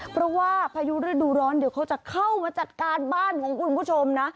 เพราะว่าพายุฤดูร้อนเดี๋ยวเขาจะเข้ามาจัดการบ้านของคุณผู้ชมนะ